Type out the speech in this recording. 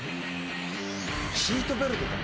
シートベルトか。